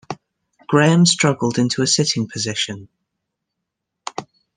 Graham struggled into a sitting position.